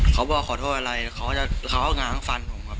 เขาบอกขอโทษอะไรเขาหงางฟันผมครับ